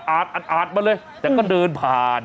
อาดมาเลยแต่ก็เดินผ่าน